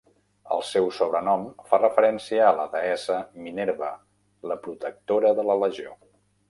El seu sobrenom fa referència a la deessa Minerva, la protectora de la legió.